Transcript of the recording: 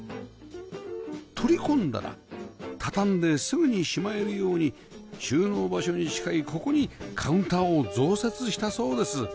取り込んだら畳んですぐにしまえるように収納場所に近いここにカウンターを増設したそうです